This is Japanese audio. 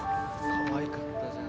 かわいかったじゃん